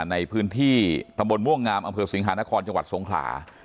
ในพื้นที่ตำบลม่วงงามอำเภอสิงหานครจังหวัดสงขลา